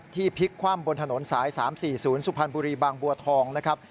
พลิกคว่ำบนถนนสาย๓๔๐สุพรรณบุรีบางบัวทองนะครับ